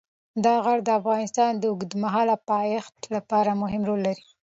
دا غر د افغانستان د اوږدمهاله پایښت لپاره مهم رول لري.